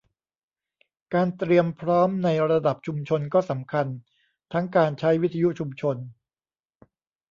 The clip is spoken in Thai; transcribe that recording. การเตรียมพร้อมในระดับชุมชนก็สำคัญทั้งการใช้วิทยุชุมชน